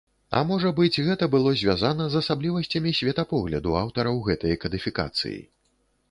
А можа быць, гэта было звязана з асаблівасцямі светапогляду аўтараў гэтай кадыфікацыі.